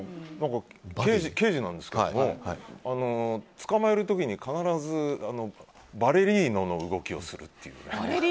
刑事なんですけども捕まえる時に必ずバレリーナの動きをするという。